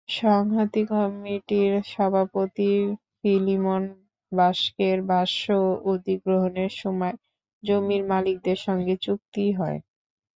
সংহতি কমিটির সহসভাপতি ফিলিমন বাস্কের ভাষ্য, অধিগ্রহণের সময় জমির মালিকদের সঙ্গে চুক্তি হয়।